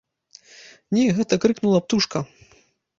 Не, гэта крыкнула птушка.